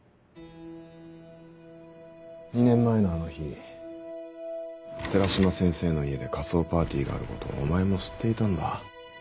２年前のあの日寺島先生の家で仮装パーティーがあることをお前も知っていたんだ。